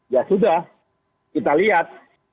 ya sudah kita lihat